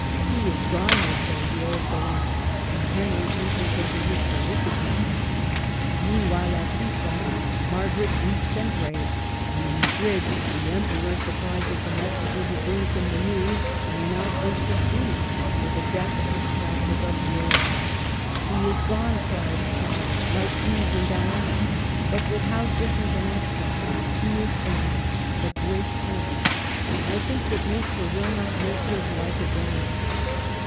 ''He is gone!" they say; "the old gallant!" and Henry enters into his 2g6 MARGARET OF ANGOUL^ME. felicity. Meanwhile, at Tusson, Margaret weeps and prays ; and, in Madrid, the Emperor surprises the messenger who brings him the news by an outburst of grief for the death of his captive of yore. " He is gone !" cries Charles, like Guise and Diana; but with how different an accent. ^* He is gone, the great prince ! I think that Nature will not make his like again."